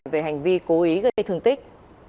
về hành vi cố ý gây thương tích